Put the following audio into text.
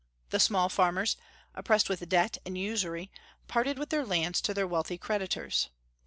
The small farmers, oppressed with debt and usury, parted with their lands to their wealthy creditors.